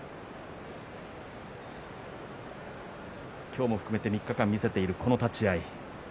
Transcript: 今日も含めて３日間見せているこの立ち合い。